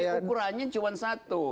jadi ukurannya cuma satu